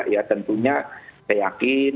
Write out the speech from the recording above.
ya tentunya saya yakin